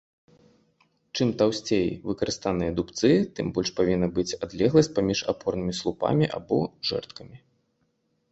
Чым таўсцей выкарыстаныя дубцы, тым больш павінна быць адлегласць паміж апорнымі слупамі або жэрдкамі.